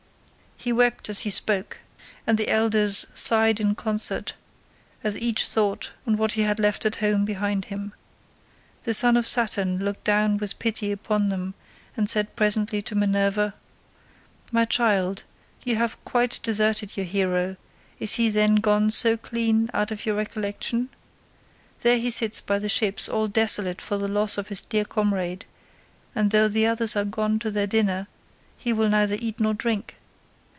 He wept as he spoke, and the elders sighed in concert as each thought on what he had left at home behind him. The son of Saturn looked down with pity upon them, and said presently to Minerva, "My child, you have quite deserted your hero; is he then gone so clean out of your recollection? There he sits by the ships all desolate for the loss of his dear comrade, and though the others are gone to their dinner he will neither eat nor drink.